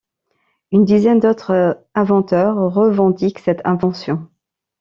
Une dizaine d'autres inventeurs revendiquent cette invention.